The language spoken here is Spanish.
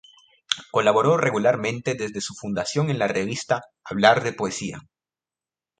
Colaboró regularmente desde su fundación en la revista "Hablar de poesía".